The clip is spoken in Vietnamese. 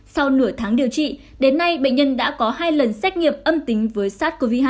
sau nửa tháng điều trị đến nay bệnh nhân đã có hai lần xét nghiệm âm tính với sars cov hai